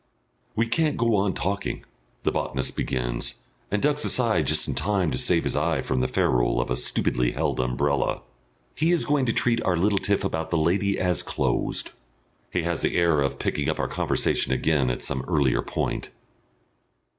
"We can't go on talking," the botanist begins, and ducks aside just in time to save his eye from the ferule of a stupidly held umbrella. He is going to treat our little tiff about that lady as closed. He has the air of picking up our conversation again at some earlier point.